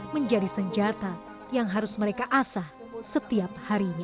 menjadi senjata yang harus mereka asah setiap harinya